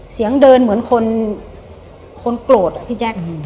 เสียงเดินเหมือนคนคนโกรธอะพี่แจ๊ค